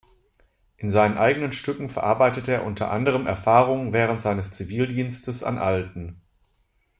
In seinen eigenen Stücken verarbeitete er unter anderem Erfahrungen während seines Zivildienstes an Alten.